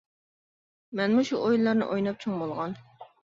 مەنمۇ شۇ ئويۇنلارنى ئويناپ چوڭ بولغان.